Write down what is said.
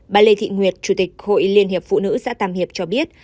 bà lê thị nguyệt chủ tịch hội liên hiệp phụ nữ xã tam hiệp cho biết